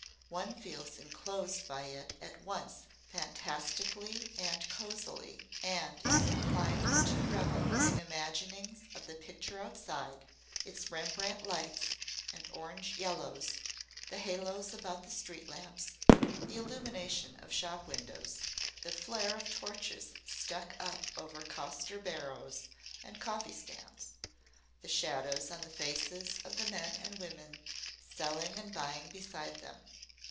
One feels enclosed by it at once fantastically and cosily, and is inclined to revel in imaginings of the picture outside, its Rembrandt lights and orange yellows, the halos about the street lamps, the illumination of shop windows, the flare of torches stuck up over coster barrows and coffee stands, the shadows on the faces of the men and women selling and buying beside them.